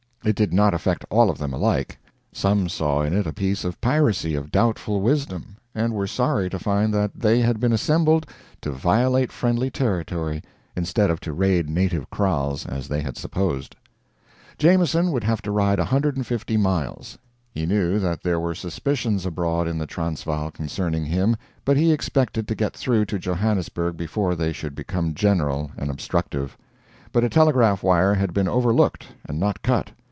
It did not affect all of them alike. Some saw in it a piece of piracy of doubtful wisdom, and were sorry to find that they had been assembled to violate friendly territory instead of to raid native kraals, as they had supposed. Jameson would have to ride 150 miles. He knew that there were suspicions abroad in the Transvaal concerning him, but he expected to get through to Johannesburg before they should become general and obstructive. But a telegraph wire had been overlooked and not cut.